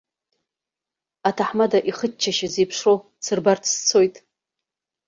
Аҭаҳмада ихыччашьа зеиԥшроу дсырбарц сцоит!